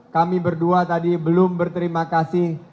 kami berdua tadi belum berterima kasih